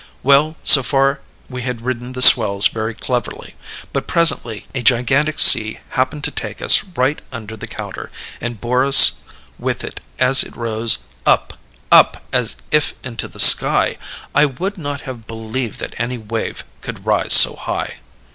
"Well, so far we had ridden the swells very cleverly; but presently a gigantic sea happened to take us right under the counter, and bore us with it as it rose up up as if into the sky. I would not have believed that any wave could rise so high.